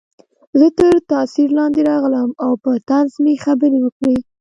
زه تر تاثیر لاندې راغلم او په طنز مې خبرې وکړې